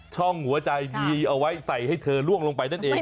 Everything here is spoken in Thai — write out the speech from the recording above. หัวใจบีเอาไว้ใส่ให้เธอล่วงลงไปนั่นเอง